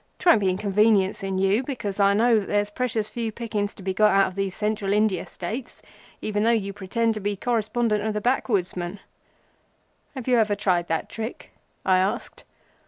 'Twon't be inconveniencing you because I know that there's precious few pickings to be got out of these Central India States—even though you pretend to be correspondent of the Backwoodsman." "Have you ever tried that trick?" I asked.